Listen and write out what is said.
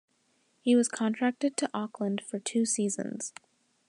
He was contracted to Auckland for two seasons.